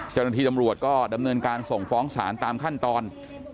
เจ้าหน้าที่ตำรวจก็ดำเนินการส่งฟ้องศาลตามขั้นตอน